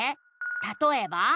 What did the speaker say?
「たとえば？」